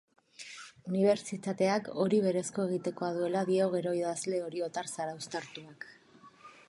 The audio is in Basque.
Unibertsitateak hori berezko egitekoa duela dio gero idazle oriotar zarauztartuak.